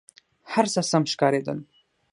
هر څه سم ښکارېدل.